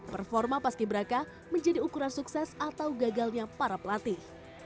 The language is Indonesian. performa paski beraka menjadi ukuran sukses atau gagalnya para pelatih